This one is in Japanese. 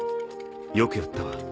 「よくやったわ」。